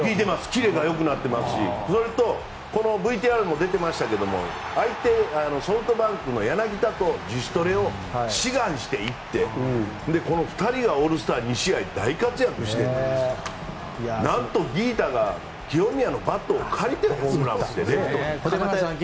キレがよくなってますしそれと、ＶＴＲにも出てましたが相手、ソフトバンクの柳田と自主トレを志願していってこの２人がオールスター２試合で大活躍してなんとギータが清宮のバットを借りてホームランを打つという。